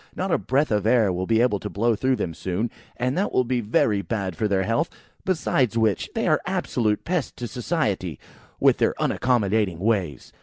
Not a breath of air will be able to blow through them soon, and that will be very bad for their health; besides which, they are absolute pests to society, with their unaccommodating ways.